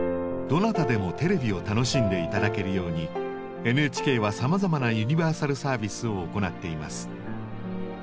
どなたでもテレビを楽しんで頂けるようにＮＨＫはさまざまなユニバーサルサービスを行っています。